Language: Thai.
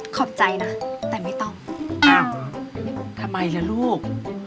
ขอบใจนะแต่ไม่ต้องอ้าวทำไมล่ะลูก